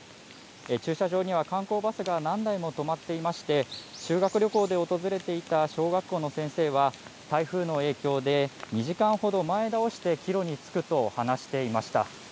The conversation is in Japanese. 駐車場には観光バスが何台も止まっていまして、修学旅行で訪れていた小学校の先生は、台風の影響で、２時間ほど前倒して岐路につくと話していました。